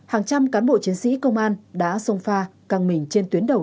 hàng trăm cán bộ chiến sĩ công an đã sông pha căng mình trên tuyến đầu